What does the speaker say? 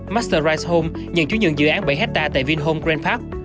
masterrise home nhận chú nhượng dự án bảy hectare tại vinhome grand park